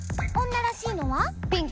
女らしいのは？